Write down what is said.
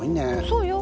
そうよ。